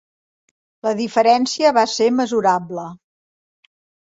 La diferència va ser mesurable.